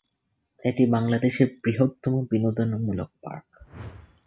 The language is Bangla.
এটি বাংলাদেশের বৃহত্তম বিনোদনমূলক পার্ক।